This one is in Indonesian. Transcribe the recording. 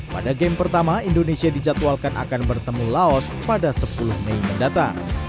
pada game pertama indonesia dijadwalkan akan bertemu laos pada sepuluh mei mendatang